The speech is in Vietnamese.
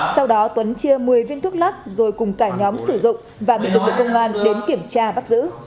sau đó tuấn chia một mươi viên thuốc lắc rồi cùng cả nhóm sử dụng và bị lực lượng công an đến kiểm tra bắt giữ